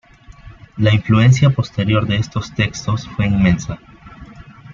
La influencia posterior de estos textos fue inmensa.